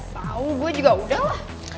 tau gue juga udah lah